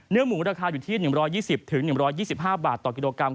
หมูราคาอยู่ที่๑๒๐๑๒๕บาทต่อกิโลกรัม